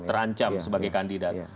terancam sebagai kandidat